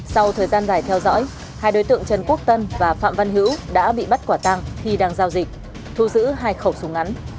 sau thời gian dài theo dõi hai đối tượng trần quốc tân và phạm văn hữu đã bị bắt quả tăng khi đang giao dịch thu giữ hai khẩu súng ngắn